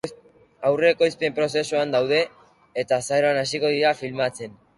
Aurre-ekoizpen prozesuan daude, eta azaroan hasiko dira filmatzen.